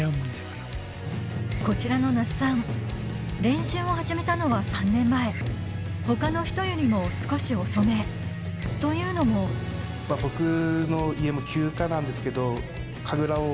こちらの那須さん練習を始めたのは３年前他の人よりも少し遅めというのも僕の。